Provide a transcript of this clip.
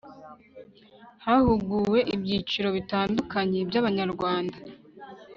hahuguwe ibyiciro bitandukanye by'abanyarwanda